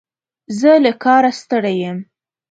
زه له کاره ستړی یم.